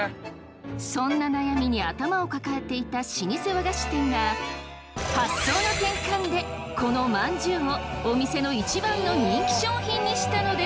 そんな悩みに頭を抱えていた老舗和菓子店が発想の転換でこのまんじゅうをお店の一番の人気商品にしたのです！